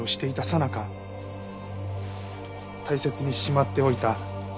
さなか大切にしまっておいた